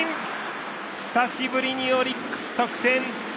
久しぶりにオリックス得点。